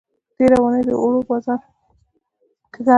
تېره اوونۍ د اوړو بازار ښه گرم و.